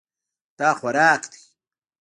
دا خوراک ده.